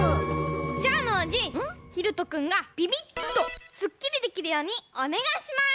じゃあノージーひろとくんがビビッとスッキリできるようにおねがいします！